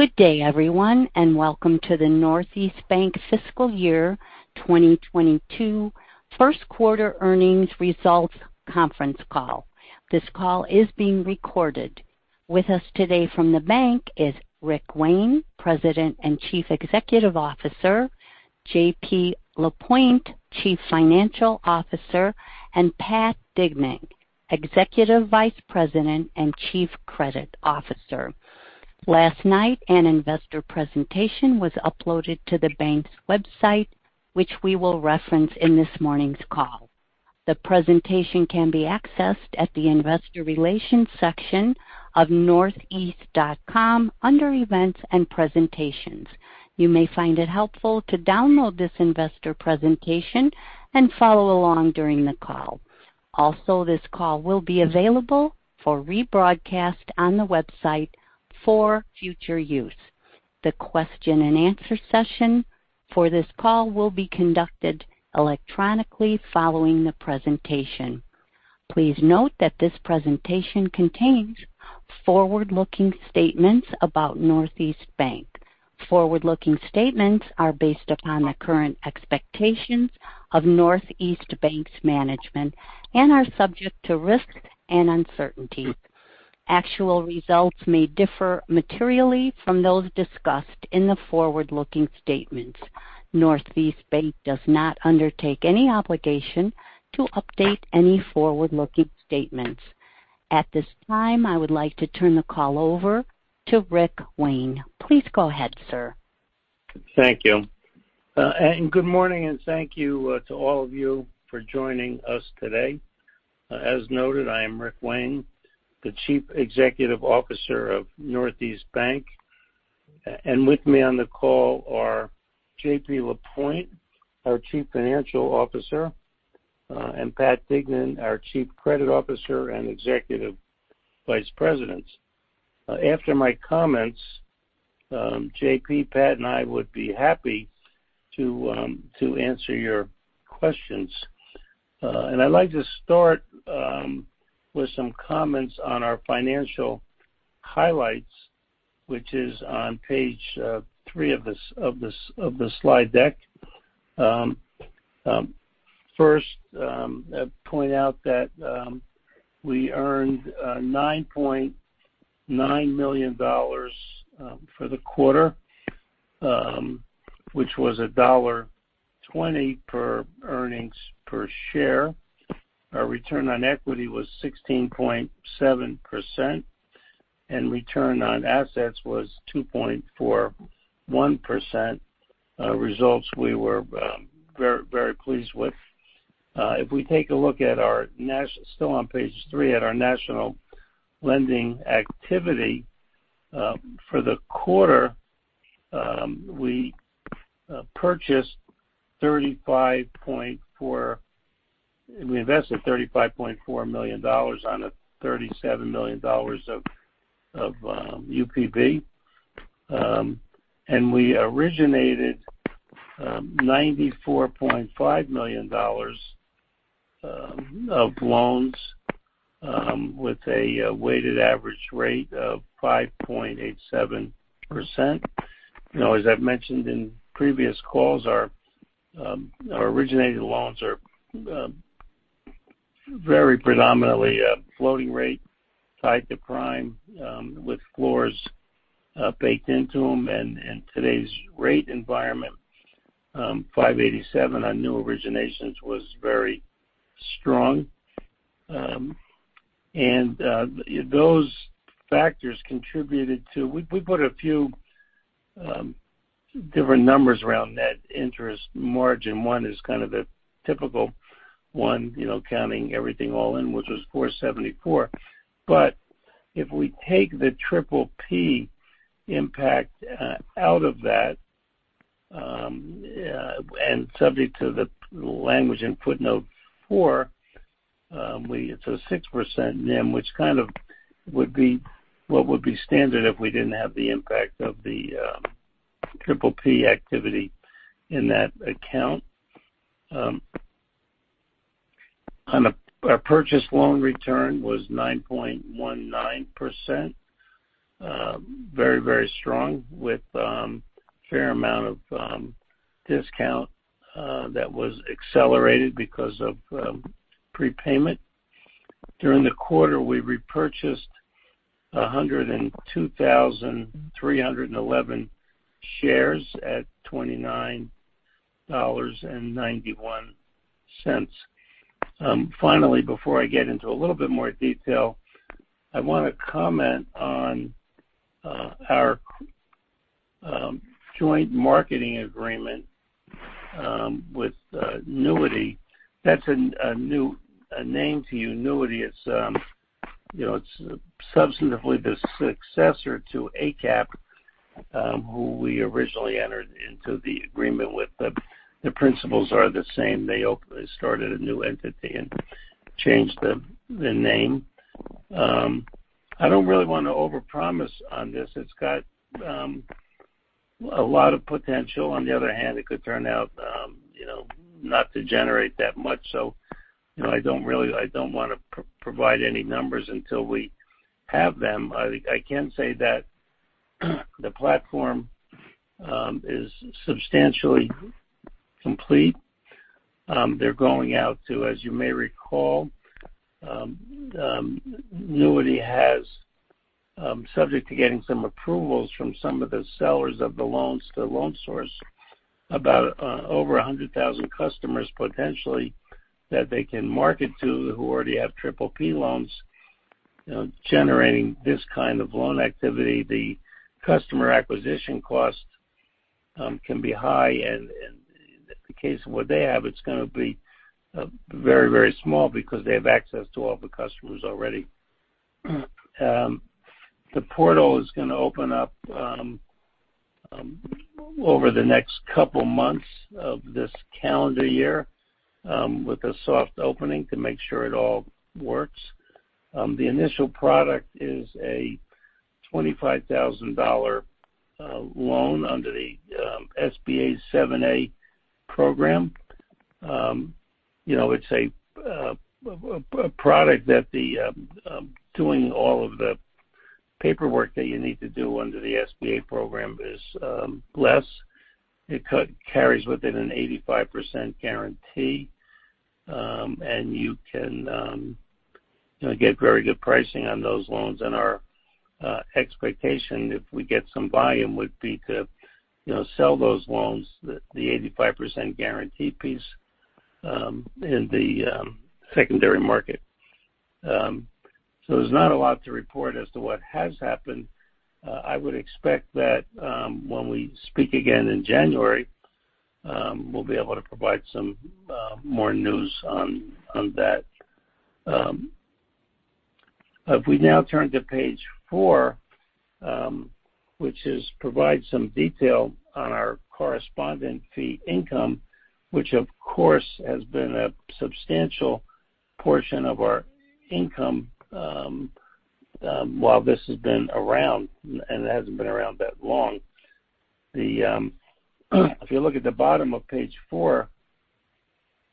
Good day, everyone, and welcome to the Northeast Bank Fiscal Year 2022 First Quarter Earnings Results Conference Call. This call is being recorded. With us today from the bank is Rick Wayne, President and Chief Executive Officer, JP Lapointe, Chief Financial Officer, and Pat Dignan, Executive Vice President and Chief Credit Officer. Last night, an investor presentation was uploaded to the bank's website, which we will reference in this morning's call. The presentation can be accessed at the investor relations section of northeast.com under events and presentations. You may find it helpful to download this investor presentation and follow along during the call. Also, this call will be available for rebroadcast on the website for future use. The question and answer session for this call will be conducted electronically following the presentation. Please note that this presentation contains forward-looking statements about Northeast Bank. Forward-looking statements are based upon the current expectations of Northeast Bank's management and are subject to risks and uncertainties. Actual results may differ materially from those discussed in the forward-looking statements. Northeast Bank does not undertake any obligation to update any forward-looking statements. At this time, I would like to turn the call over to Rick Wayne. Please go ahead, sir. Thank you. Good morning, and thank you to all of you for joining us today. As noted, I am Rick Wayne, the Chief Executive Officer of Northeast Bank. With me on the call are JP Lapointe, our Chief Financial Officer, and Pat Dignan, our Chief Credit Officer and Executive Vice President. After my comments, JP, Pat, and I would be happy to answer your questions. I'd like to start with some comments on our financial highlights, which is on page 3 of this slide deck. First, I point out that we earned $9.9 million for the quarter, which was $1.20 per earnings per share. Our return on equity was 16.7%, and return on assets was 2.41%, results we were very pleased with. If we take a look at our national lending activity for the quarter, we invested $35.4 million on $37 million of UPB. And we originated $94.5 million of loans with a weighted average rate of 5.87%. You know, as I've mentioned in previous calls, our originated loans are very predominantly floating rate tied to prime with floors baked into them and today's rate environment, 5.87% on new originations was very strong. And those factors contributed to... We put a few different numbers around net interest margin. One is kind of a typical one, you know, counting everything all in, which was 4.74%. But if we take the PPP impact out of that and subject to the language in footnote 4, it's a 6% NIM, which kind of would be what would be standard if we didn't have the impact of the PPP activity in that account. Our purchased loan return was 9.19%. Very, very strong with fair amount of discount that was accelerated because of prepayment. During the quarter, we repurchased 102,311 shares at $29.91. Finally, before I get into a little bit more detail, I wanna comment on our joint marketing agreement with NEWITY. That's a new name to you. NEWITY, it's you know, it's substantively the successor to ACAP, who we originally entered into the agreement with them. The principals are the same. They started a new entity and changed the name. I don't really wanna overpromise on this. It's got a lot of potential. On the other hand, it could turn out you know, not to generate that much. You know, I don't wanna provide any numbers until we have them. I can say that the platform is substantially complete. They're going out to, as you may recall, NEWITY has, subject to getting some approvals from some of the sellers of the loans to Loan Source, about over 100,000 customers potentially that they can market to who already have PPP loans. You know, generating this kind of loan activity, the customer acquisition cost can be high and in the case of what they have, it's gonna be very, very small because they have access to all the customers already. The portal is gonna open up over the next couple months of this calendar year with a soft opening to make sure it all works. The initial product is a $25,000 loan under the SBA 7(a) program. You know, it's a product that doing all of the paperwork that you need to do under the SBA program is less. It carries with it an 85% guarantee, and you can, you know, get very good pricing on those loans. Our expectation, if we get some volume, would be to, you know, sell those loans, the 85% guarantee piece, in the secondary market. There's not a lot to report as to what has happened. I would expect that, when we speak again in January, we'll be able to provide some more news on that. If we now turn to page 4, which provides some detail on our correspondent fee income, which of course has been a substantial portion of our income, while this has been around, and it hasn't been around that long. If you look at the bottom of page 4,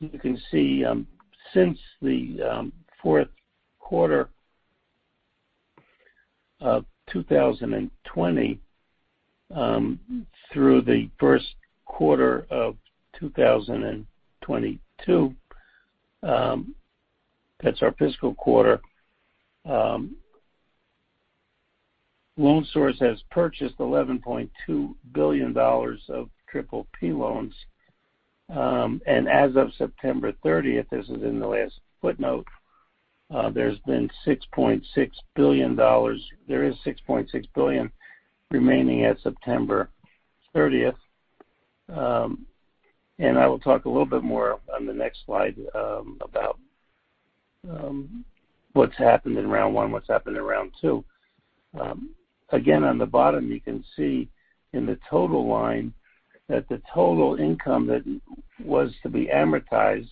you can see, since the fourth quarter of 2020 through the first quarter of 2022, that's our fiscal quarter, The Loan Source has purchased $11.2 billion of PPP loans. As of September 30th, this is in the last footnote, there is $6.6 billion remaining at September 30. I will talk a little bit more on the next slide about what's happened in round one, what's happened in round two. Again, on the bottom, you can see in the total line that the total income that was to be amortized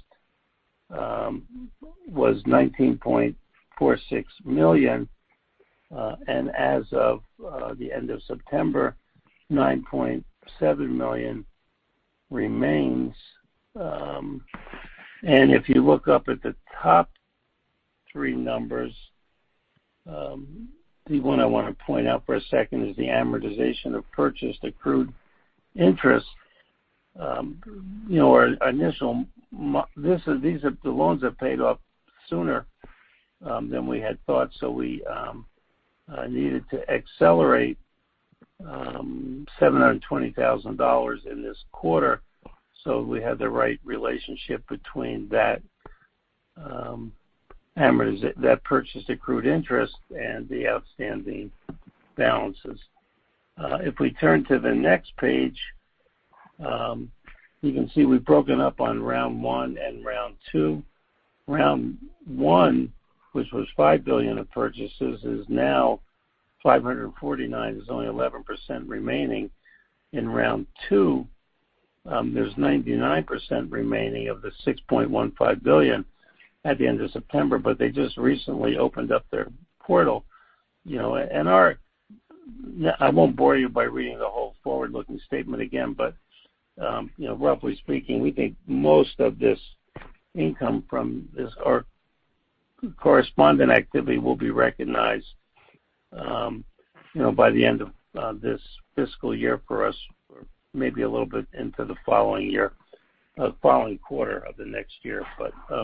was $19.46 million. As of the end of September, $9.7 million remains. If you look up at the top three numbers, the one I wanna point out for a second is the amortization of purchased accrued interest. You know, the loans have paid off sooner than we had thought, so we needed to accelerate $720,000 in this quarter, so we had the right relationship between that purchased accrued interest and the outstanding balances. If we turn to the next page, you can see we've broken out on round one and round two. Round one, which was $5 billion of purchases, is now $549 million. There's only 11% remaining. In round two, there's 99% remaining of the $6.15 billion at the end of September, but they just recently opened up their portal, you know. Our... I won't bore you by reading the whole forward-looking statement again, but you know, roughly speaking, we think most of this income from this, our correspondent activity will be recognized, you know, by the end of this fiscal year for us, or maybe a little bit into the following year, following quarter of the next year.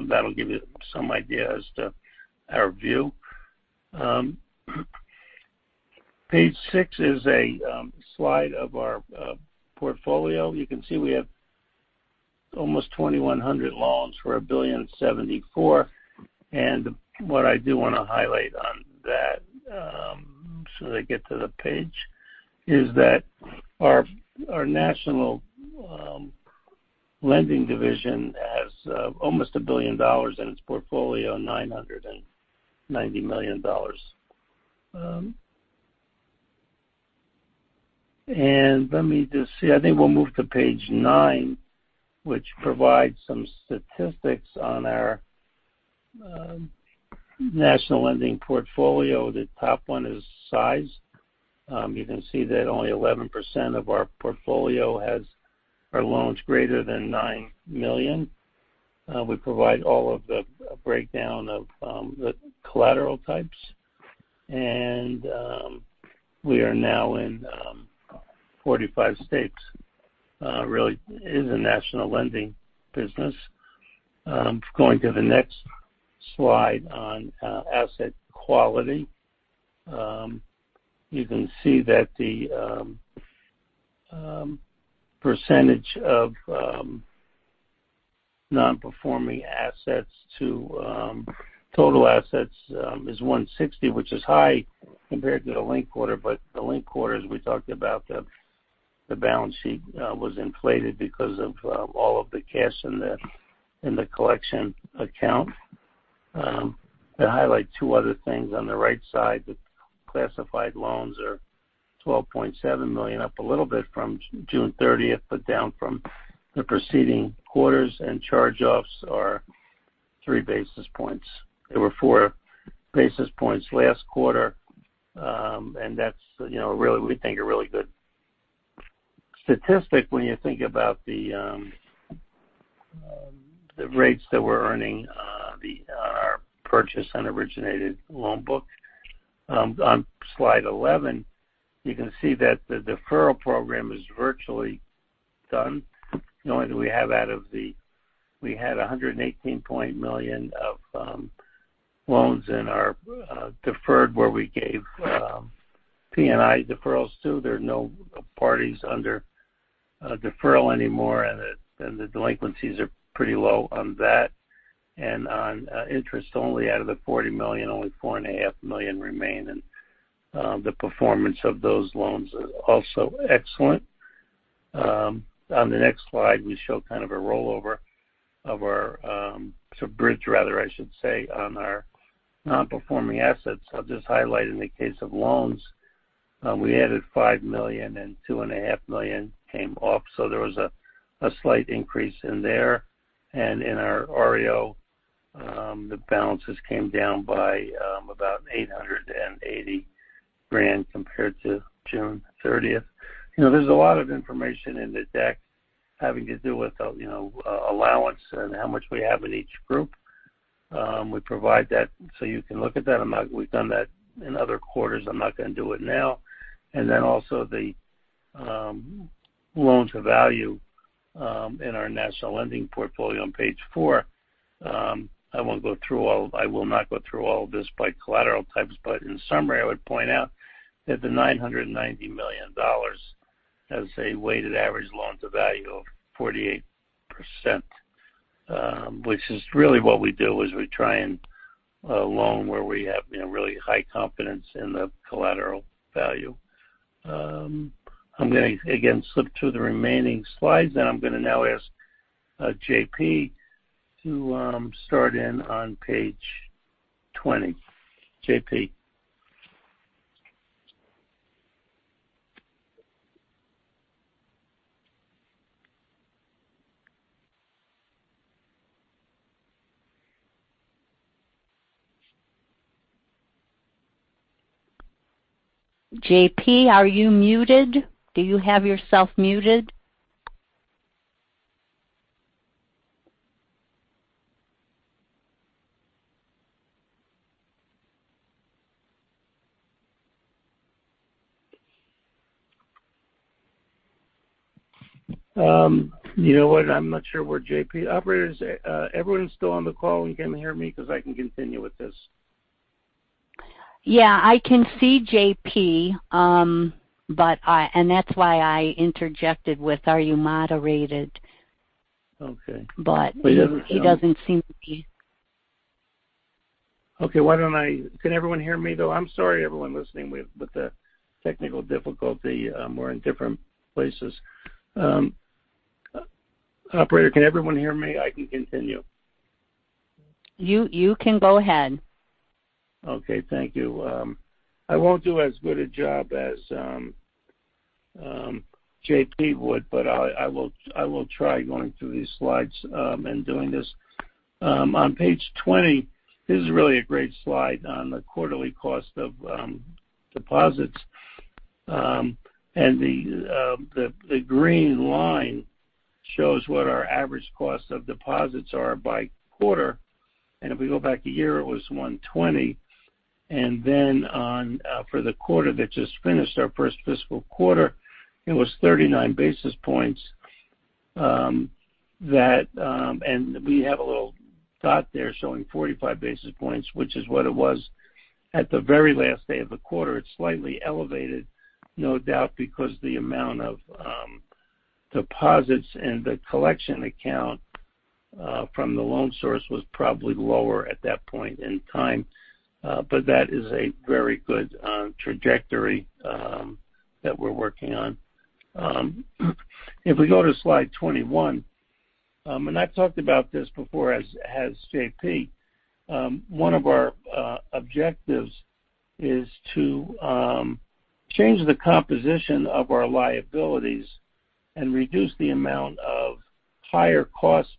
That'll give you some idea as to our view. Page 6 is a slide of our portfolio. You can see we have almost 2,100 loans for $1.074 billion. What I do wanna highlight on that, so that I get to the page, is that our national lending division has almost $1 billion in its portfolio, $990 million. Let me just see. I think we'll move to page 9, which provides some statistics on our national lending portfolio. The top one is size. You can see that only 11% of our portfolio has loans greater than $9 million. We provide a breakdown of the collateral types. We are now in 45 states. It really is a national lending business. Going to the next slide on asset quality. You can see that the percentage of non-performing assets to total assets is 1.60%, which is high compared to the linked quarter, but the linked quarter, as we talked about, the balance sheet was inflated because of all of the cash in the collection account. To highlight two other things, on the right side, the classified loans are $12.7 million, up a little bit from June 30th, but down from the preceding quarters, and charge-offs are 3 basis points. They were 4 basis points last quarter. That's, you know, really, we think a really good statistic when you think about the rates that we're earning on our purchase and originated loan book. On slide 11, you can see that the deferral program is virtually done, knowing that we had $118 million of loans in our deferred, where we gave P&I deferrals to. There are no parties under a deferral anymore, and the delinquencies are pretty low on that. On interest only, out of the $40 million, only $4.5 million remain. The performance of those loans are also excellent. On the next slide, we show kind of a rollover of our, it's a bridge rather, I should say, on our non-performing assets. I'll just highlight in the case of loans, we added $5 million and $2.5 million came off, so there was a slight increase in there. In our REO, the balances came down by about $880,000 compared to June 30th. You know, there's a lot of information in the deck having to do with the, you know, allowance and how much we have in each group. We provide that, so you can look at that. We've done that in other quarters. I'm not gonna do it now. Also the loan-to-value in our national lending portfolio on page 4. I will not go through all of this by collateral types, but in summary, I would point out that the $990 million has a weighted average loan-to-value of 48%, which is really what we do, is we try and loan where we have, you know, really high confidence in the collateral value. I'm gonna, again, flip to the remaining slides, and I'm gonna now ask JP to start in on page 20. JP. JP, are you muted? Do you have yourself muted? You know what? Operator, everyone still on the call and can hear me? 'Cause I can continue with this. Yeah, I can see JP, and that's why I interjected with, "Are you moderated?" Okay. But- He doesn't sound- He doesn't seem to be. Can everyone hear me, though? I'm sorry, everyone listening with the technical difficulty. We're in different places. Operator, can everyone hear me? I can continue. You can go ahead. Okay. Thank you. I won't do as good a job as JP would, but I will try going through these slides and doing this. On page 20, this is really a great slide on the quarterly cost of deposits. The green line shows what our average cost of deposits are by quarter. If we go back a year, it was 120. For the quarter that just finished, our first fiscal quarter, it was 39 basis points. We have a little dot there showing 45 basis points, which is what it was at the very last day of the quarter. It's slightly elevated, no doubt, because the amount of deposits in the collection account from The Loan Source was probably lower at that point in time. That is a very good trajectory that we're working on. If we go to slide 21, and I've talked about this before, as has JP, one of our objectives is to change the composition of our liabilities and reduce the amount of higher cost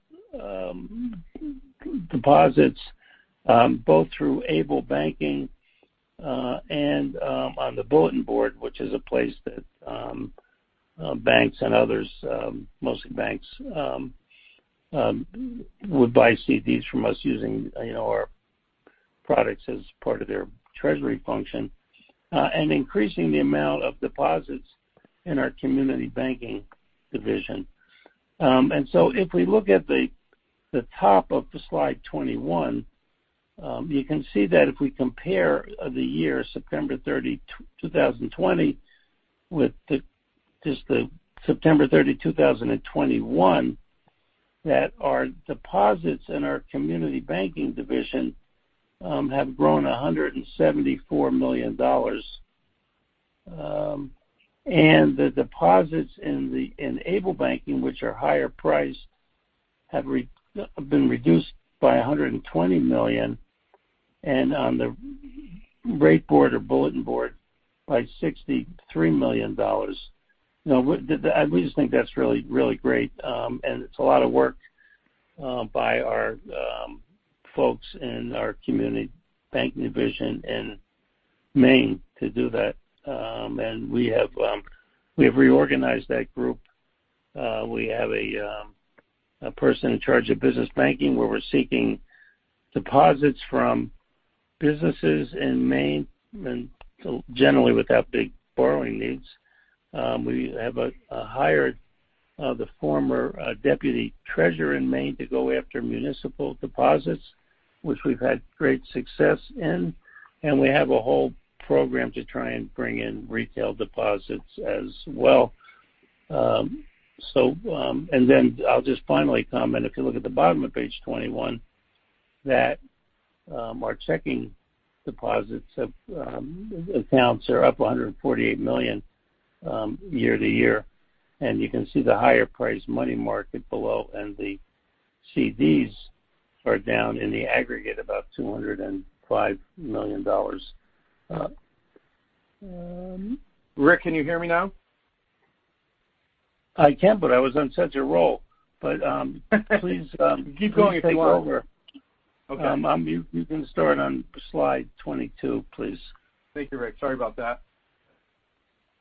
deposits both through ableBanking and on the Bulletin Board, which is a place that banks and others, mostly banks, would buy CDs from us using, you know, our products as part of their treasury function, and increasing the amount of deposits in our community banking division. If we look at the top of the slide 21, you can see that if we compare the year September 30th, 2020 with just the September 30th, 2021, that our deposits in our Community Banking division have grown $174 million. The deposits in ableBanking, which are higher priced, have been reduced by $120 million. On the rate board or Bulletin Board by $63 million. Now, we just think that's really great, and it's a lot of work by our folks in our Community Banking division in Maine to do that. We have reorganized that group. We have a person in charge of business banking where we're seeking deposits from businesses in Maine and generally without big borrowing needs. We have hired the former deputy treasurer in Maine to go after municipal deposits, which we've had great success in. We have a whole program to try and bring in retail deposits as well. I'll just finally comment, if you look at the bottom of page 21, that our checking deposits of accounts are up $148 million year-over-year. You can see the higher priced money market below, and the CDs are down in the aggregate about $205 million. Rick, can you hear me now? I can, but I was on such a roll. Please- Keep going if you want. Please take over. Okay. You can start on slide 22, please. Thank you, Rick. Sorry about that.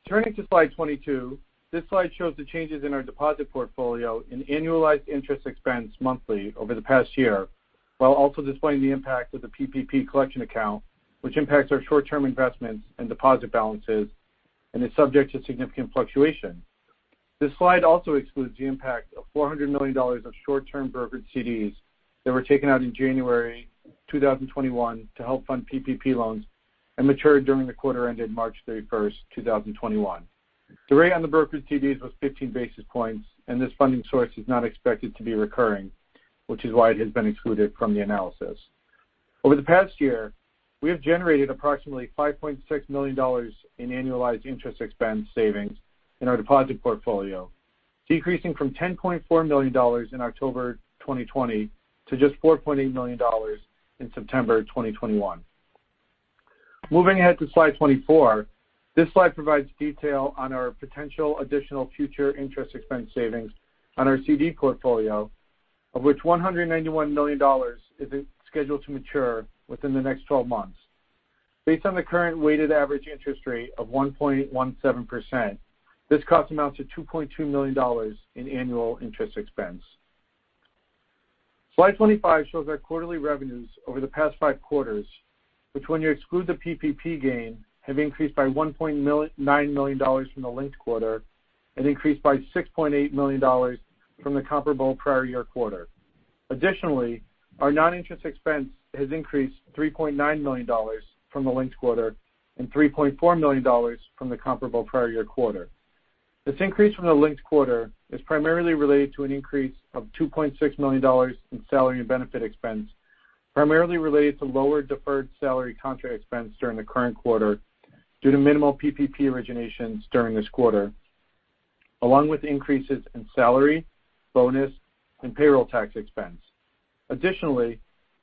Turning to slide 22, this slide shows the changes in our deposit portfolio in annualized interest expense monthly over the past year, while also displaying the impact of the PPP collection account, which impacts our short-term investments and deposit balances and is subject to significant fluctuation. This slide also excludes the impact of $400 million of short-term brokered CDs that were taken out in January 2021 to help fund PPP loans and matured during the quarter ended March 31st, 2021. The rate on the brokered CDs was 15 basis points, and this funding source is not expected to be recurring, which is why it has been excluded from the analysis. Over the past year, we have generated approximately $5.6 million in annualized interest expense savings in our deposit portfolio, decreasing from $10.4 million in October 2020 to just $4.8 million in September 2021. Moving ahead to slide 24. This slide provides detail on our potential additional future interest expense savings on our CD portfolio, of which $191 million is scheduled to mature within the next 12 months. Based on the current weighted average interest rate of 1.17%, this cost amounts to $2.2 million in annual interest expense. Slide 25 shows our quarterly revenues over the past five quarters, which when you exclude the PPP gain, have increased by $1.9 million from the linked quarter and increased by $6.8 million from the comparable prior year quarter. Additionally, our non-interest expense has increased $3.9 million from the linked quarter and $3.4 million from the comparable prior year quarter. This increase from the linked quarter is primarily related to an increase of $2.6 million in salary and benefit expense, primarily related to lower deferred salary contra expense during the current quarter due to minimal PPP originations during this quarter, along with increases in salary, bonus, and payroll tax expense. Additionally,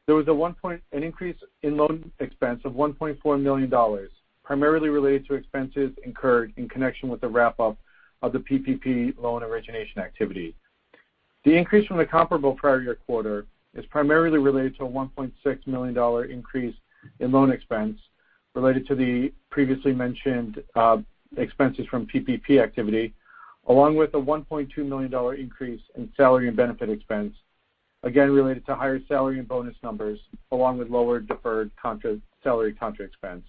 there was an increase in loan expense of $1.4 million, primarily related to expenses incurred in connection with the wrap-up of the PPP loan origination activity. The increase from the comparable prior year quarter is primarily related to a $1.6 million increase in loan expense related to the previously mentioned expenses from PPP activity, along with a $1.2 million increase in salary and benefit expense, again related to higher salary and bonus numbers, along with lower deferred salary contra expense.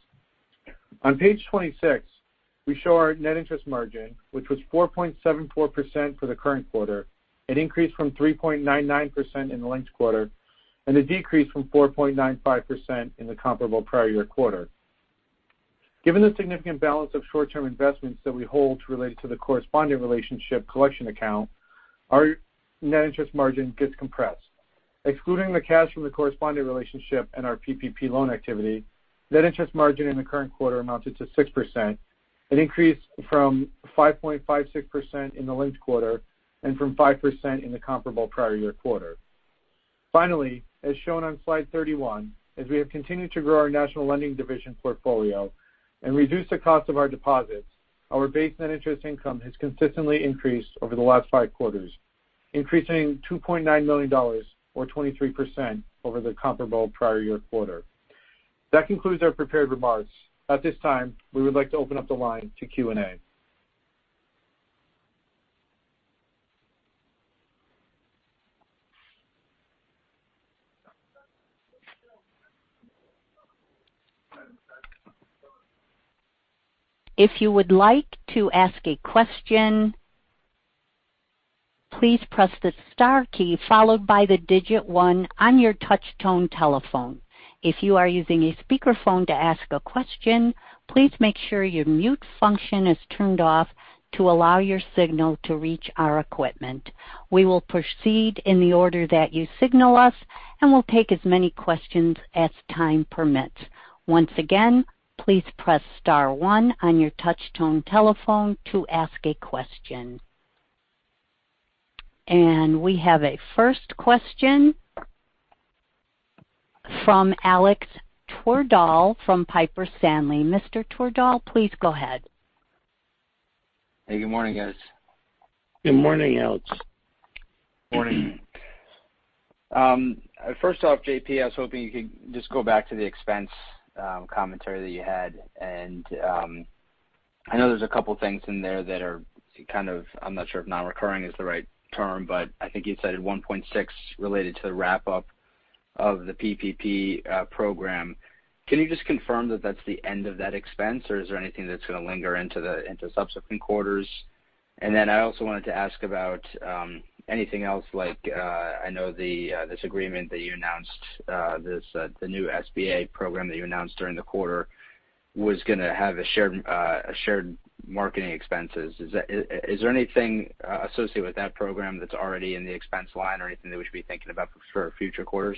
On page 26, we show our net interest margin, which was 4.74% for the current quarter, an increase from 3.99% in the linked quarter, and a decrease from 4.95% in the comparable prior year quarter. Given the significant balance of short-term investments that we hold related to the corresponding relationship collection account, our net interest margin gets compressed. Excluding the cash from the corresponding relationship and our PPP loan activity, net interest margin in the current quarter amounted to 6%. It increased from 5.56% in the linked quarter and from 5% in the comparable prior year quarter. Finally, as shown on slide 31, as we have continued to grow our national lending division portfolio and reduce the cost of our deposits, our base net interest income has consistently increased over the last five quarters, increasing $2.9 million or 23% over the comparable prior year quarter. That concludes our prepared remarks. At this time, we would like to open up the line to Q&A. If you would like to ask a question, please press the star key followed by the digit one on your touch tone telephone. If you are using a speakerphone to ask a question, please make sure your mute function is turned off to allow your signal to reach our equipment. We will proceed in the order that you signal us, and we'll take as many questions as time permits. Once again, please press star one on your touch tone telephone to ask a question. We have a first question from Alex Twerdahl from Piper Sandler. Mr. Twerdahl, please go ahead. Hey, good morning, guys. Good morning, Alex. Morning. First off, JP, I was hoping you could just go back to the expense commentary that you had. I know there's a couple things in there that are kind of. I'm not sure if non-recurring is the right term, but I think you said $1.6 related to the wrap up of the PPP program. Can you just confirm that that's the end of that expense, or is there anything that's going to linger into subsequent quarters? I also wanted to ask about anything else like. I know this agreement that you announced, the new SBA program that you announced during the quarter was gonna have a shared marketing expenses. Is there anything associated with that program that's already in the expense line or anything that we should be thinking about for future quarters?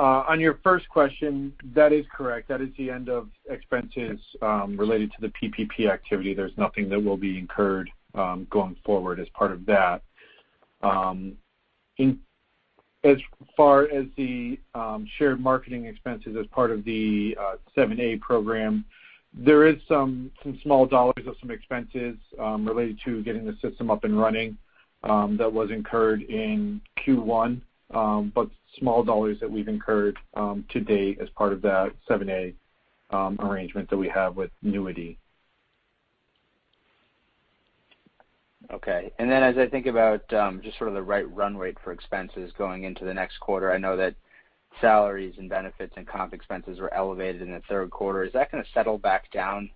On your first question, that is correct. That is the end of expenses related to the PPP activity. There's nothing that will be incurred going forward as part of that. As far as the shared marketing expenses as part of the seven A program, there is some small dollars of some expenses related to getting the system up and running that was incurred in Q1, but small dollars that we've incurred to date as part of that 7(a) arrangement that we have with NEWITY. Okay. As I think about, just sort of the right run rate for expenses going into the next quarter, I know that salaries and benefits and comp expenses were elevated in the third quarter. Is that going to settle back down?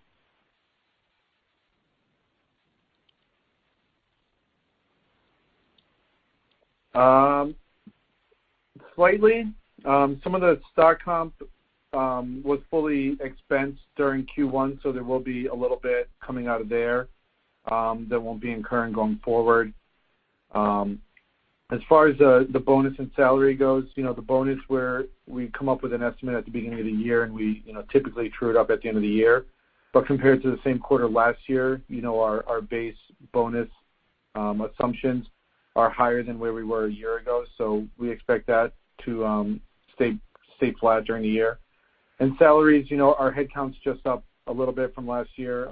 Slightly. Some of the stock comp was fully expensed during Q1, so there will be a little bit coming out of there that won't be incurred going forward. As far as the bonus and salary goes, you know, the bonus where we come up with an estimate at the beginning of the year and we, you know, typically true it up at the end of the year. Compared to the same quarter last year, you know, our base bonus assumptions are higher than where we were a year ago. We expect that to stay flat during the year. Salaries, you know, our headcount is just up a little bit from last year,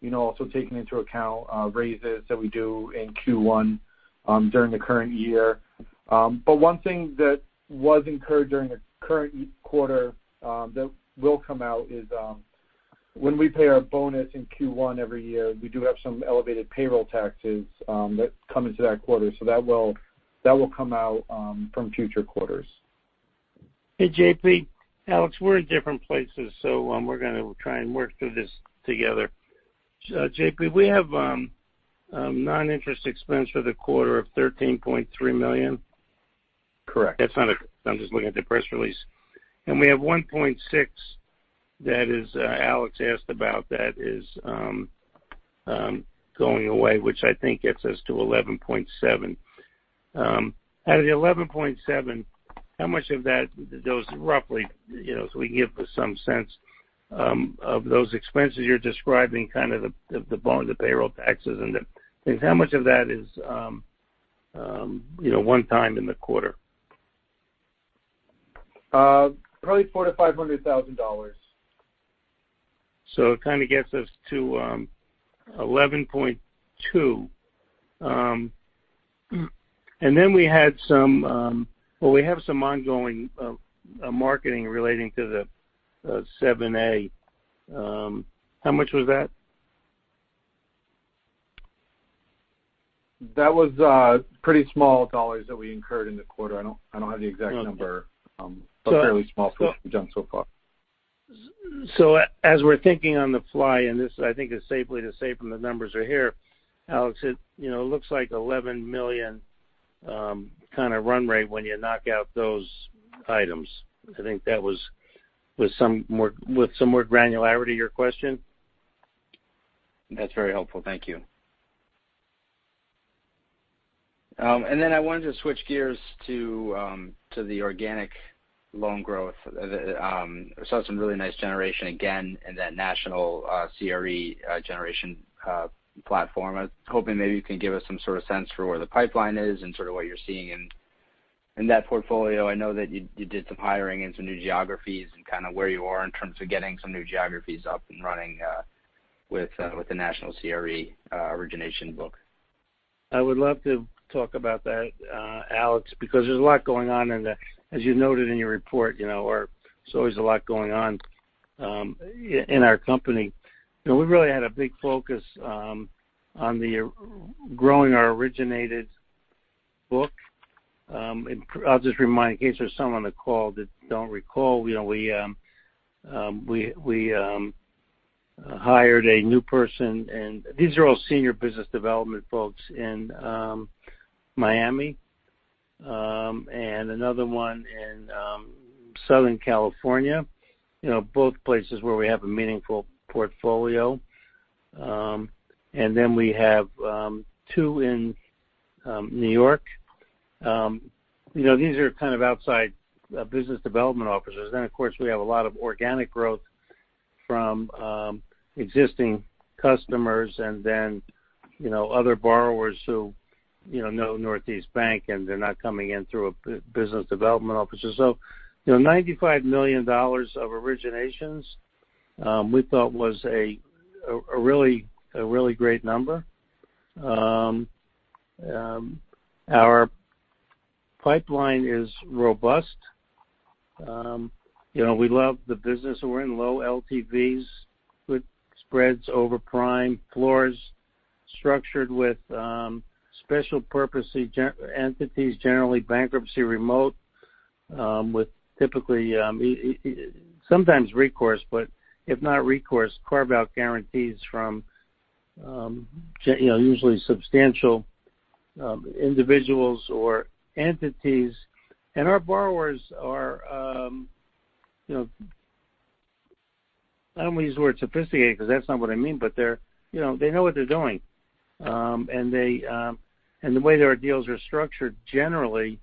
you know, also taking into account raises that we do in Q1 during the current year. One thing that was incurred during the current quarter that will come out is when we pay our bonus in Q1 every year, we do have some elevated payroll taxes that come into that quarter. That will come out from future quarters. Hey, JP. Alex, we're in different places, so we're gonna try and work through this together. JP, we have a non-interest expense for the quarter of $13.3 million. Correct. I'm just looking at the press release. We have $1.6 that Alex asked about that is going away, which I think gets us to $11.7. Out of the $11.7, how much of that roughly, you know, so we can give some sense of those expenses you're describing, kind of the payroll taxes and the. How much of that is, you know, one-time in the quarter? Probably $400,000-$500,000. It kind of gets us to 11.2. We had some. Well, we have some ongoing marketing relating to the 7(a). How much was that? That was pretty small dollars that we incurred in the quarter. I don't have the exact number. Okay. Fairly small so done so far. As we're thinking on the fly, and this I think is safely to say from the numbers are here, Alex, it, you know, looks like $11 million kind of run rate when you knock out those items. I think that was with some more granularity your question. That's very helpful. Thank you. I wanted to switch gears to the organic loan growth. I saw some really nice generation again in that national CRE generation platform. I was hoping maybe you can give us some sort of sense for where the pipeline is and sort of what you're seeing in that portfolio. I know that you did some hiring in some new geographies and kinda where you are in terms of getting some new geographies up and running with the national CRE origination book. I would love to talk about that, Alex, because there's a lot going on, as you noted in your report, you know, or there's always a lot going on in our company. You know, we really had a big focus on growing our originated book. I'll just remind, in case there's some on the call that don't recall, you know, we hired a new person and these are all senior business development folks in Miami, and another one in Southern California. You know, both places where we have a meaningful portfolio. We have two in New York. You know, these are kind of outside business development officers. Of course, we have a lot of organic growth from existing customers and then, you know, other borrowers who, you know Northeast Bank and they're not coming in through a business development officer. You know, $95 million of originations we thought was a really great number. Our pipeline is robust. You know, we love the business that we're in, low LTVs with spreads over prime, floors structured with special purpose entities, generally bankruptcy remote, with typically sometimes recourse. If not recourse, carve-out guarantees from, you know, usually substantial individuals or entities. Our borrowers are, you know. I don't want to use the word sophisticated because that's not what I mean, but they're, you know, they know what they're doing. The way their deals are structured, generally,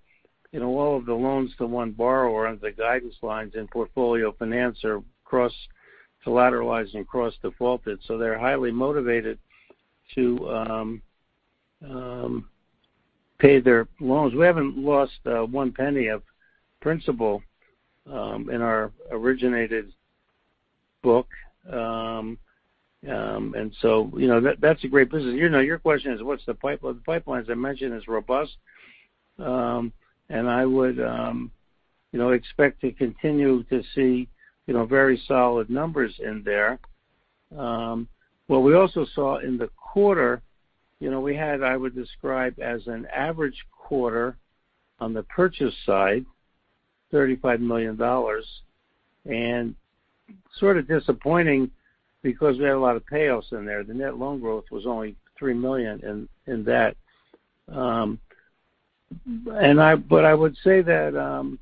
you know, all of the loans to one borrower under the guidance lines in portfolio finance are cross-collateralized and cross-defaulted, so they're highly motivated to pay their loans. We haven't lost one penny of principal in our originated book. You know, that's a great business. You know, your question is what's the pipeline, as I mentioned, is robust. I would, you know, expect to continue to see, you know, very solid numbers in there. What we also saw in the quarter, you know, we had, I would describe as an average quarter on the purchase side, $35 million, and sort of disappointing because we had a lot of payoffs in there. The net loan growth was only $3 million in that. I would say that,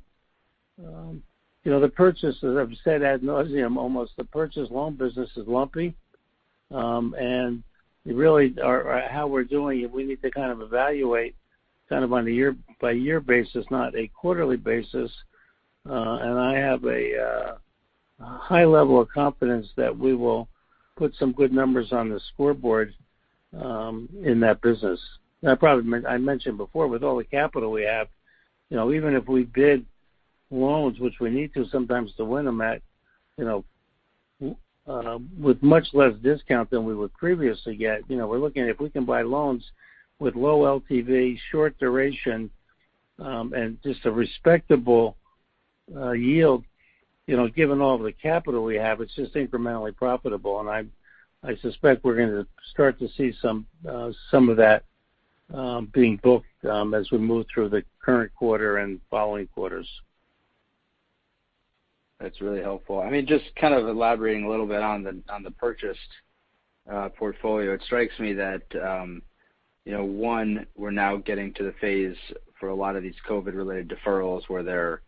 you know, the purchases, I've said ad nauseam almost, the purchase loan business is lumpy. Really our how we're doing, we need to kind of evaluate kind of on a year-by-year basis, not a quarterly basis. I have a high level of confidence that we will put some good numbers on the scoreboard in that business. I mentioned before, with all the capital we have, you know, even if we bid loans, which we need to sometimes to win them at, you know, with much less discount than we would previously get. You know, we're looking at if we can buy loans with low LTV, short duration, and just a respectable yield, you know, given all the capital we have, it's just incrementally profitable. I suspect we're gonna start to see some of that being booked as we move through the current quarter and following quarters. That's really helpful. I mean, just kind of elaborating a little bit on the purchased portfolio. It strikes me that one, we're now getting to the phase for a lot of these COVID-related deferrals where the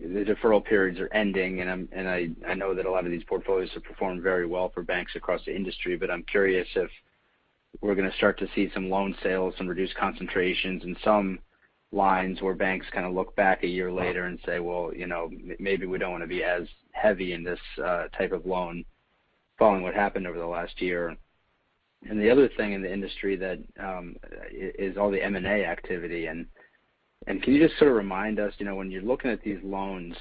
deferral periods are ending, and I know that a lot of these portfolios have performed very well for banks across the industry. But I'm curious if we're gonna start to see some loan sales, some reduced concentrations in some lines where banks kind of look back a year later and say, "Well, you know, maybe we don't want to be as heavy in this type of loan following what happened over the last year." The other thing in the industry that is all the M&A activity. Can you just sort of remind us, you know, when you're looking at these loans,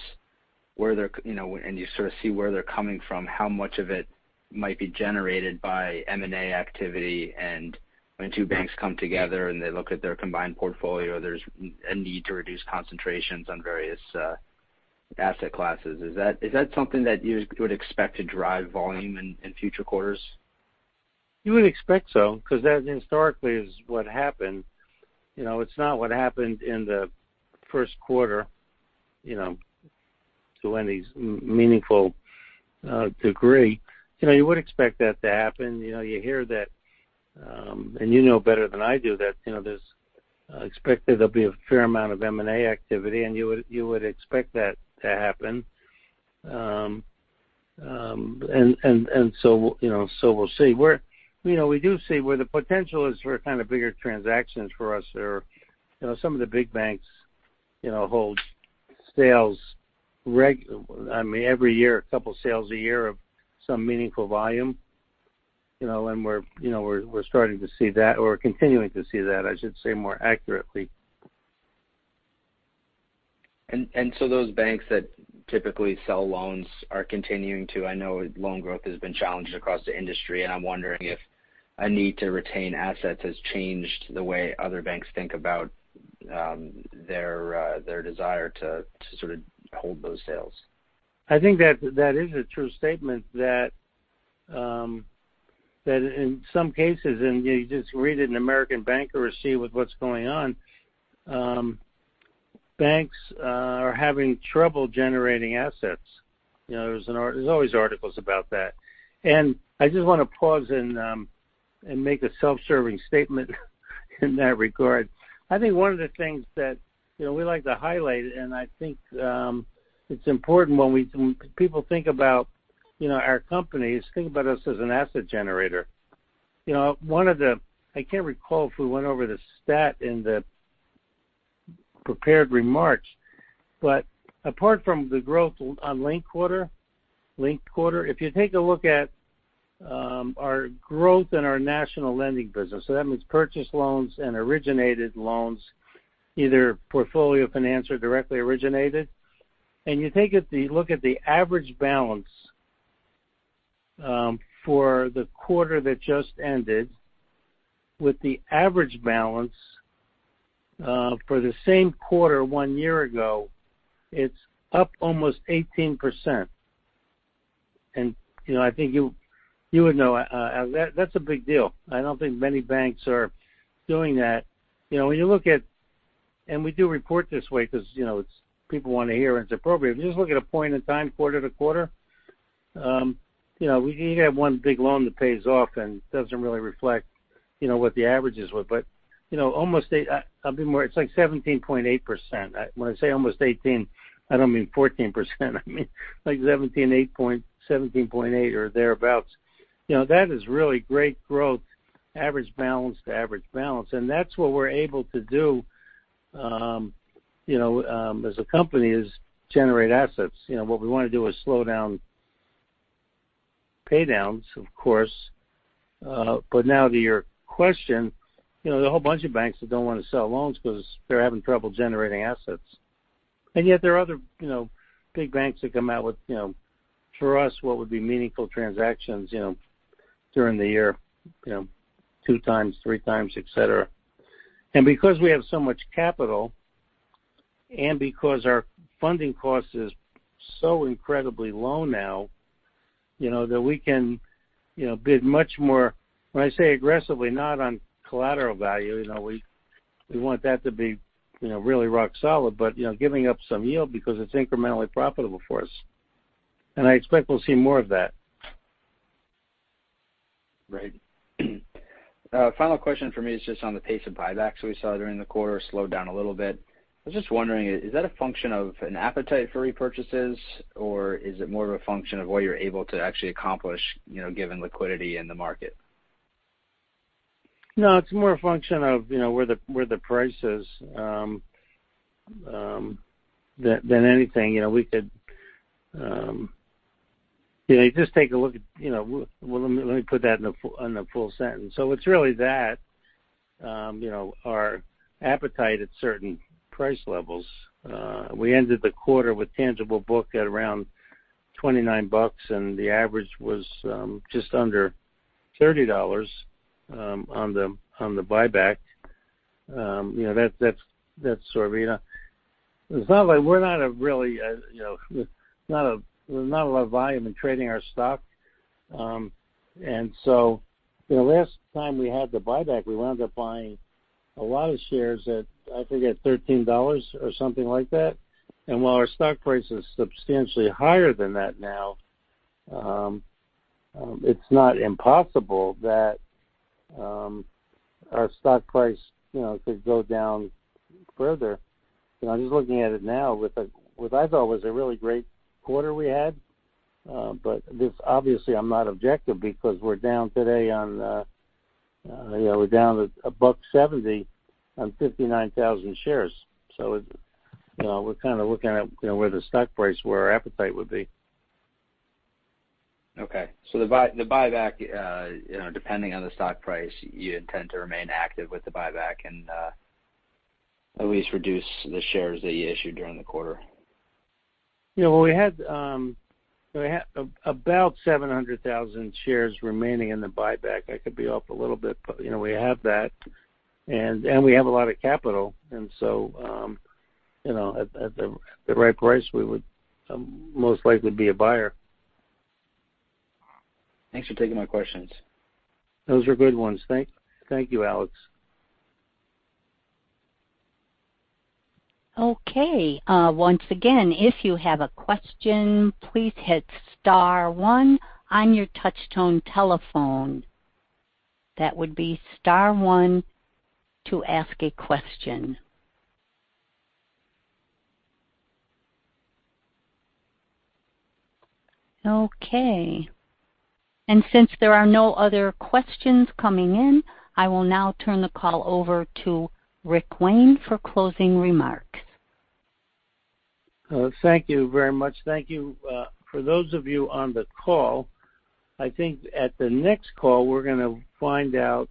where they're, you know, and you sort of see where they're coming from, how much of it might be generated by M&A activity? When two banks come together and they look at their combined portfolio, there's a need to reduce concentrations on various asset classes. Is that something that you would expect to drive volume in future quarters? You would expect so, because that historically is what happened. You know, it's not what happened in the first quarter, you know, to any meaningful degree. You know, you would expect that to happen. You know, you hear that, and you know better than I do that, you know, there's expected there'll be a fair amount of M&A activity, and you would expect that to happen. And so, you know, so we'll see. You know, we do see where the potential is for kind of bigger transactions for us are, you know, some of the big banks, you know, hold sales. I mean, every year, a couple sales a year of some meaningful volume, you know, and we're, you know, we're starting to see that or continuing to see that, I should say more accurately. Those banks that typically sell loans are continuing to. I know loan growth has been challenged across the industry, and I'm wondering if a need to retain assets has changed the way other banks think about their desire to sort of hold those sales. I think that is a true statement that in some cases, and you just read it in American Banker or see with what's going on, banks are having trouble generating assets. You know, there's always articles about that. I just wanna pause and make a self-serving statement in that regard. I think one of the things that, you know, we like to highlight, and I think, it's important when people think about, you know, our companies, think about us as an asset generator. You know, one of the I can't recall if we went over the stat in the prepared remarks, but apart from the growth on linked quarter. If you take a look at our growth in our national lending business, so that means purchase loans and originated loans, either portfolio finance or directly originated. You take it, look at the average balance for the quarter that just ended with the average balance for the same quarter one year ago, it's up almost 18%. You know, I think you would know that's a big deal. I don't think many banks are doing that. You know, when you look at, we do report this way because, you know, it's what people want to hear, and it's appropriate. If you just look at a point in time, quarter to quarter, you know, we have one big loan that pays off and doesn't really reflect, you know, what the averages were. You know, almost 8- It's like 17.8%. When I say almost 18%, I don't mean 14%. I mean, like 17.8 or thereabout. You know, that is really great growth, average balance to average balance. That's what we're able to do, you know, as a company is generate assets. You know, what we want to do is slow down pay downs, of course. Now to your question, you know, there are a whole bunch of banks that don't want to sell loans because they're having trouble generating assets. Yet there are other, you know, big banks that come out with, you know, for us, what would be meaningful transactions, you know, during the year, you know, 2 times, 3 times, et cetera. Because we have so much capital and because our funding cost is so incredibly low now, you know, that we can, you know, bid much more, when I say aggressively, not on collateral value. You know, we want that to be, you know, really rock solid, but, you know, giving up some yield because it's incrementally profitable for us. I expect we'll see more of that. Right. Final question for me is just on the pace of buybacks we saw during the quarter slowed down a little bit. I was just wondering, is that a function of an appetite for repurchases, or is it more of a function of what you're able to actually accomplish, you know, given liquidity in the market? No, it's more a function of, you know, where the price is than anything. Well, let me put that in a full sentence. It's really that, you know, our appetite at certain price levels. We ended the quarter with tangible book at around $29, and the average was just under $30 on the buyback. You know, that's sort of, you know. It's not like we're not really, you know, not a lot of volume in trading our stock. You know, last time we had the buyback, we wound up buying a lot of shares at, I think, $13 or something like that. While our stock price is substantially higher than that now, it's not impossible that our stock price, you know, could go down further. You know, I'm just looking at it now with what I thought was a really great quarter we had. This obviously I'm not objective because we're down today on, you know, we're down $1.70 on 59,000 shares. You know, we're kind of looking at, you know, where the stock price, where our appetite would be. Okay. The buyback, you know, depending on the stock price, you intend to remain active with the buyback and at least reduce the shares that you issued during the quarter. You know, we had about 700,000 shares remaining in the buyback. I could be off a little bit, but, you know, we have that. We have a lot of capital. You know, at the right price, we would most likely be a buyer. Thanks for taking my questions. Those were good ones. Thank you, Alex. Okay. Once again, if you have a question, please hit star one on your touch tone telephone. That would be star one to ask a question. Okay. Since there are no other questions coming in, I will now turn the call over to Rick Wayne for closing remarks. Thank you very much. Thank you. For those of you on the call, I think at the next call, we're gonna find out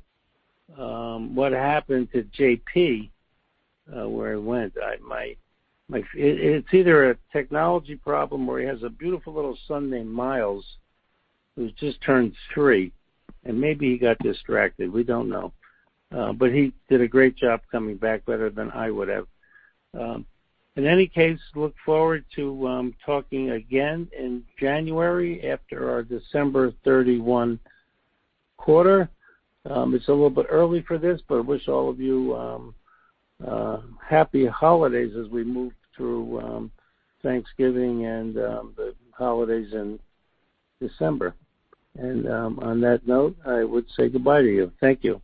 what happened to JP, where he went. It's either a technology problem or he has a beautiful little son named Miles, who's just turned three, and maybe he got distracted. We don't know. But he did a great job coming back, better than I would have. In any case, look forward to talking again in January after our December 31 quarter. It's a little bit early for this, but I wish all of you a Happy Holidays as we move through Thanksgiving and the holidays in December. On that note, I would say goodbye to you. Thank you.